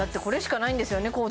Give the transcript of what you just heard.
これしかないんですよね？